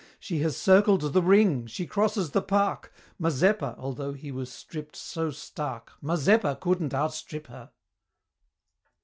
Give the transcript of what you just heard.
She has circled the Ring! she crosses the Park! Mazeppa, although he was stripp'd so stark, Mazeppa couldn't outstrip her!